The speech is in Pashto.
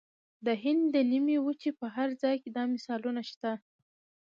د هند د نیمې وچې په هر ځای کې دا مثالونه شته.